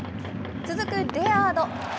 続くレアード。